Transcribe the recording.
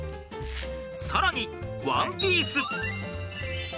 更にワンピース。